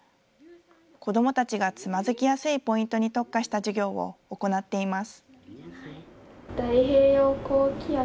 子どもたちがつまずきやすいポイントに特化した授業を行っています。